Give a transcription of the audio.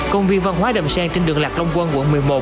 công viên văn hóa đầm sen trên đường lạc long quân quận một mươi một